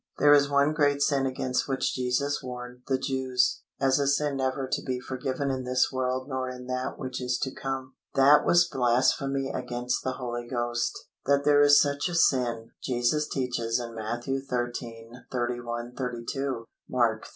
There is one great sin against which Jesus warned the Jews, as a sin never to be forgiven in this world nor in that which is to come. That was blasphemy against the Holy Ghost. That there is such a sin, Jesus teaches in Matthew xii. 31, 32, Mark iii.